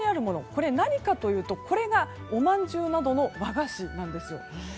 これ、何かというとこれが、おまんじゅうなどの和菓子なんです。